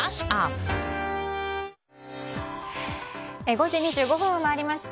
５時２５分を回りました。